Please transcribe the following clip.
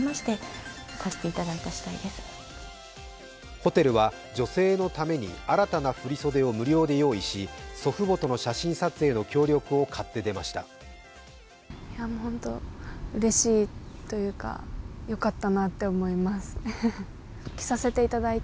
ホテルは女性のために新たな振り袖を無料で用意し、祖父母との写真撮影の協力を買って出ました。